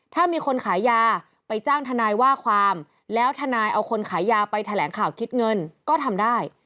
ถ้ามีคนขายยาไปจ้างทนายว่าความแล้วทนายเอาคนขายยาไปแถลงข่าวคิดเงินก็ทำได้